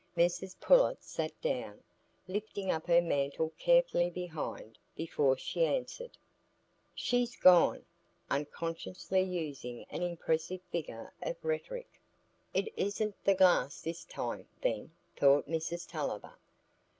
Mrs Pullet sat down, lifting up her mantle carefully behind, before she answered,— "She's gone," unconsciously using an impressive figure of rhetoric. "It isn't the glass this time, then," thought Mrs Tulliver.